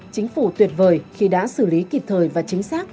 chính phủ tuyệt vời khi đã xử lý kịp thời và chính xác